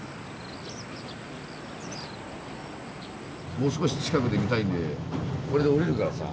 もう少し近くで見たいんでこれで降りるからさ。